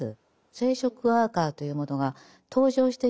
生殖ワーカーというものが登場してきてしまって。